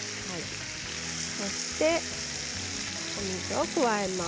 そして、お水を加えます。